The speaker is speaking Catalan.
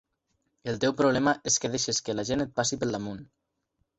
El teu problema és que deixes que la gent et passi pel damunt.